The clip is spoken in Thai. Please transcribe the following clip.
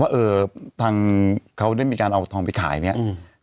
เอ่อทางเขาได้มีการเอาทองไปขายเนี่ย